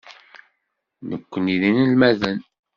Nekkni d inelmaden.